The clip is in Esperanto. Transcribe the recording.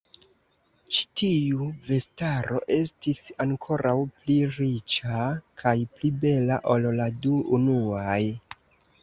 Ĉi tiu vestaro estis ankoraŭ pli riĉa kaj pli bela ol la du unuaj.